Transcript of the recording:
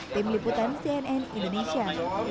tim liputan cnn indonesia